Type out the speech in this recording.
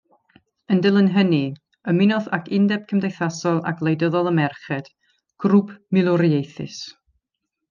Yn dilyn hynny, ymunodd ag Undeb Cymdeithasol a Gwleidyddol y Merched, grŵp milwriaethus.